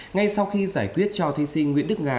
ngay sau khi giải quyết cho thí sinh nguyễn đức nga